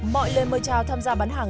mọi lời mời chào tham gia bán hàng